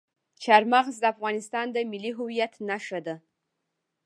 چار مغز د افغانستان د ملي هویت نښه ده.